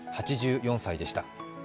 ８４歳でした。